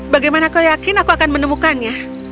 bagaimana kau yakin aku akan menemukannya